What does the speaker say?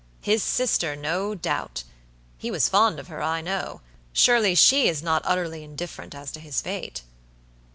"His sister, no doubt. He was fond of her, I know. Surely, she is not utterly indifferent as to his fate?"